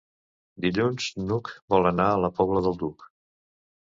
Dilluns n'Hug vol anar a la Pobla del Duc.